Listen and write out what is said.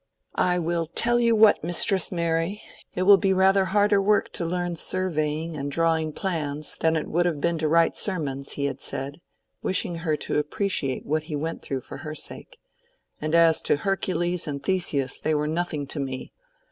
"I will tell you what, Mistress Mary—it will be rather harder work to learn surveying and drawing plans than it would have been to write sermons," he had said, wishing her to appreciate what he went through for her sake; "and as to Hercules and Theseus, they were nothing to me.